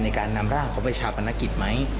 ในการนำร่างเขาไปชาปนกิจไหม